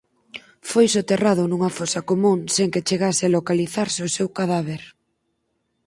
Foi soterrado nunha fosa común sen que chegase a localizarse o seu cadáver.